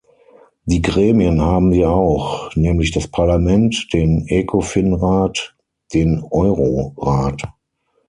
Die Gremien haben wir auch, nämlich das Parlament, den Ecofin-Rat, den Euro-Rat.